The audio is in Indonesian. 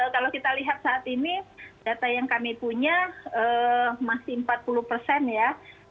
kalau kita lihat saat ini data yang kami punya masih empat puluh persen ya